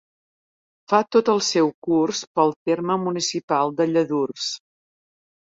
Fa tot el seu curs pel terme municipal de Lladurs.